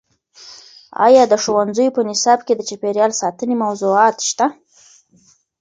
ایا د ښوونځیو په نصاب کې د چاپیریال ساتنې موضوعات شته؟